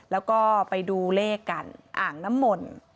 แล้วก็ไปดูเลขกันอ่างน้ำมนต์